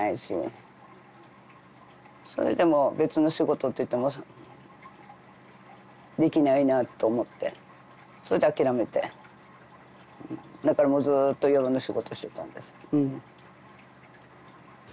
それでもう別の仕事っていってもできないなと思ってそれで諦めてだからもうずっと夜の仕事をしてたんですうん。